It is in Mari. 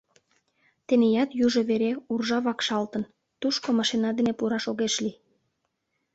Теният южо вере уржа вакшалтын, тушко машина дене пураш огеш лий.